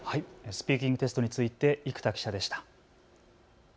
スピーキングテストについて生田記者でした。